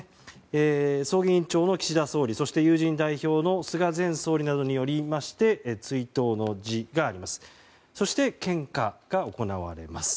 葬儀委員長の岸田総理そして、友人代表の菅前総理などによりまして追悼の辞があります。